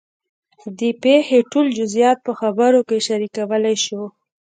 د پېښې ټول جزیات په خبرو کې شریکولی شو.